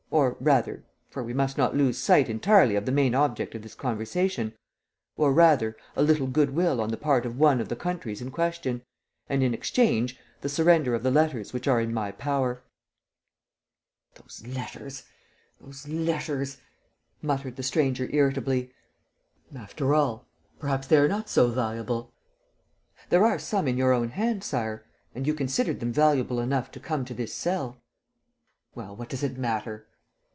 or, rather for we must not lose sight entirely of the main object of this conversation or, rather, a little good will on the part of one of the countries in question ... and, in exchange, the surrender of the letters which are in my power." "Those letters, those letters!" muttered the stranger irritably. "After all, perhaps they are not so valuable. ..." "There are some in your own hand, Sire; and you considered them valuable enough to come to this cell. ..." "Well, what does it matter?"